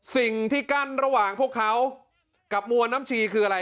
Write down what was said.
สิ่งที่กั้นระหว่างพวกเขากับมวลน้ำชีคืออะไร